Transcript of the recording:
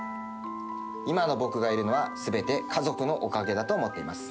今の僕がいるのはすべて家族のおかげだと思っています。